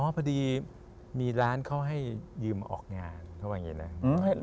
พอดีมีร้านเขาให้ยืมออกงานเขาว่าอย่างนี้นะ